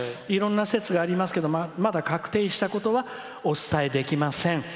いろんな説がありますけどまだ確定したことはお伝えできません。